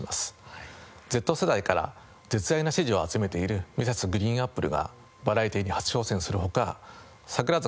Ｚ世代から絶大な支持を集めているＭｒｓ．ＧＲＥＥＮＡＰＰＬＥがバラエティに初挑戦する他櫻坂